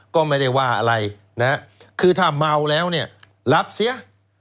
ก็ไม่ได้ว่าอะไรนะฮะคือถ้าเมาแล้วเนี่ยรับเสีย